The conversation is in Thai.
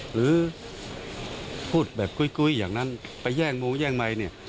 หรือพูดแบบกุ้ยอย่างนั้นไปแย่งมูแย่งไมค์เนี่ย